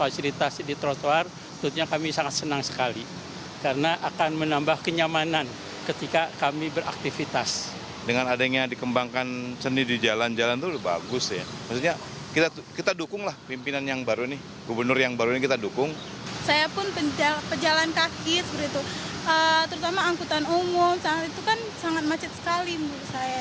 saya pun pejalan kaki terutama angkutan umum itu kan sangat macet sekali menurut saya